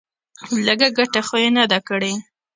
لږه گټه خو يې نه ده کړې.